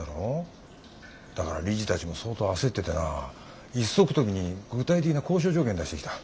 だから理事たちも相当焦っててな一足飛びに具体的な交渉条件出してきた。